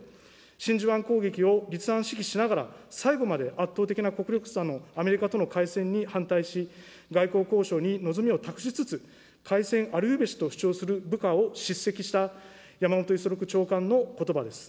真珠湾攻撃を立案・指揮しながら、最後まで圧倒的な国力差のアメリカとの開戦に反対し、外交交渉に望みを託しつつ、開戦ありうべしと主張する部下を叱責した、山本五十六長官のことばです。